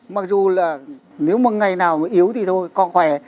mặc dù là nếu một ngày nào yếu thì thôi còn khỏe